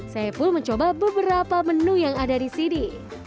saya pun mencoba beberapa menu yang ada di sini